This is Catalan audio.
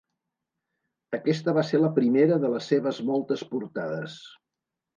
Aquesta va ser la primera de les seves moltes portades.